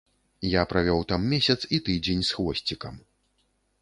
Я правёў там месяц і тыдзень з хвосцікам.